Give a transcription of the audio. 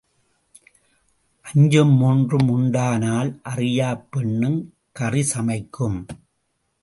அஞ்சும் மூன்றும் உண்டானால் அறியாப் பெண்ணும் கறிசமைக்கும்